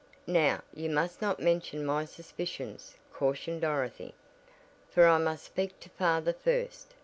"Now you must not mention my suspicions," cautioned Dorothy, "for I must speak to father first.